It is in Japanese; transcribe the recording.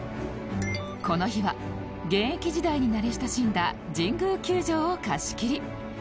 この日は現役時代に慣れ親しんだ神宮球場を貸し切り